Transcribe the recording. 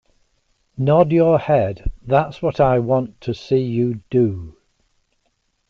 Nod your head; that's what I want to see you do.